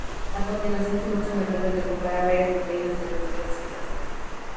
A continuación se muestra una tabla que compara varias proteínas según su clasificación.